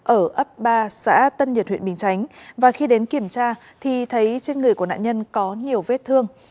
ở ấp ba xã tân nhật huyện bình chánh và khi đến kiểm tra thì thấy trên người của nạn nhân có nhiều vết thương